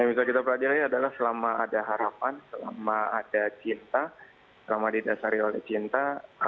yang bisa kita pelajari adalah selama ada harapan selama ada cinta selama didasari oleh cinta